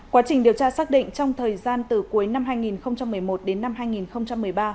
quá trình điều tra xác định trong thời gian từ cuối năm hai nghìn một mươi một đến năm hai nghìn một mươi ba